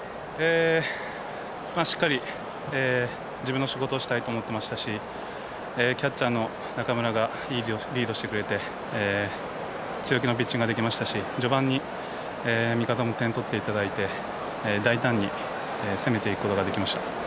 しっかり自分の仕事をしたいと思ってましたしキャッチャーの中村がいいリードしてくれて強気のピッチングができましたし序盤に味方も点を取っていただいて大胆に攻めていくことができました。